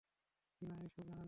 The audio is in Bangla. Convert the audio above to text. টিনা এই সুর জানে না।